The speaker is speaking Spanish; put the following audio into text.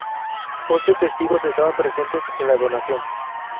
Once testigos estaban presentes en la donación.